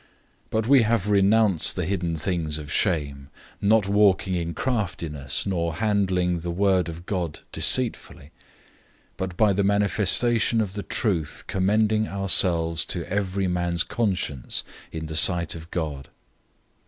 004:002 But we have renounced the hidden things of shame, not walking in craftiness, nor handling the word of God deceitfully; but by the manifestation of the truth commending ourselves to every man's conscience in the sight of God.